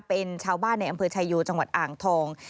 เป็นชาวบ้านในอำเภอชายโยจังหวัดอ่างทอง